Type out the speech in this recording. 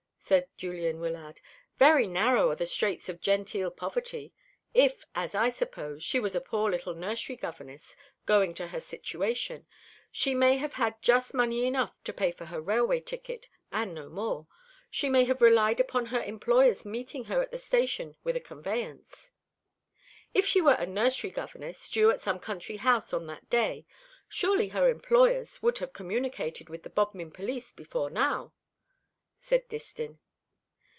said Julian Wyllard. "Very narrow are the straits of genteel poverty. If, as I suppose, she was a poor little nursery governess going to her situation, she may have had just money enough to pay for her railway ticket, and no more. She may have relied upon her employers meeting her at the station with a conveyance." "If she were a nursery governess, due at some country house on that day, surely her employers would have communicated with the Bodmin police before now," said Distin.